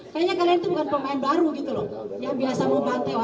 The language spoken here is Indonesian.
kayaknya kalian itu bukan pemain baru gitu loh